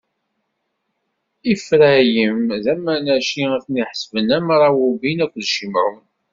Ifṛayim d Manaci ad ten-ḥesbeɣ am Rawubin akked Cimɛun.